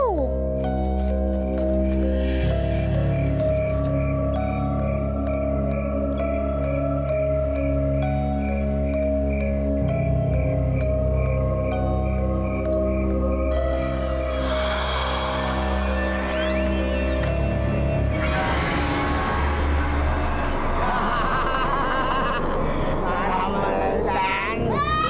พ่อทำอะไรล่ะท่าน